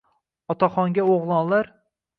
Otaxonga o‘g‘lonlar